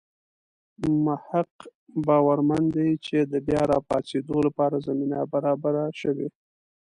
مح ق باورمن دی چې د بیا راپاڅېدو لپاره زمینه برابره شوې.